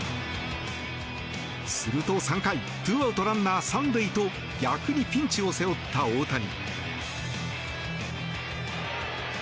すると３回、ツーアウトランナー３塁と逆にピンチを背負った大谷。